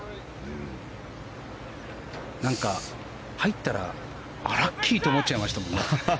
入ったらラッキーと思っちゃいましたもんね。